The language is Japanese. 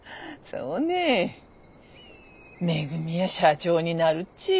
めぐみや社長になるっち。